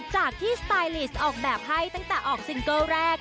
จากที่สไตลิสออกแบบให้ตั้งแต่ออกซิงเกิลแรก